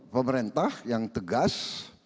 pemerintah yang tegas